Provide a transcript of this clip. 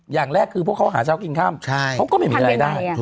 อย่างแรกคือพวกเขาหาเช้ากินค่ำเขาก็ไม่มีรายได้